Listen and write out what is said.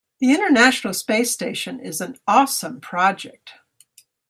The international space station is an awesome project.